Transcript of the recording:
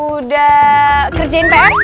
udah kerjain pr